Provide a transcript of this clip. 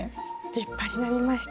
立派になりました。